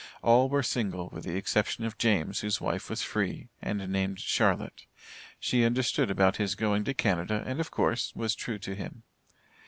All were single, with the exception of James, whose wife was free, and named Charlotte; she understood about his going to Canada, and, of course, was true to him.